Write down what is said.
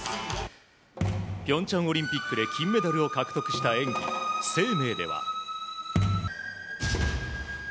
平昌オリンピックで金メダルを獲得した演技「ＳＥＩＭＥＩ」では。